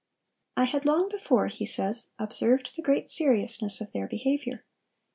"I had long before," he says, "observed the great seriousness of their behavior.